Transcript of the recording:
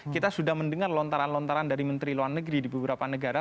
kita sudah mendengar lontaran lontaran dari menteri luar negeri di beberapa negara